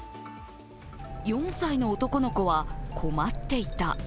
４歳の男の子は、困っていた。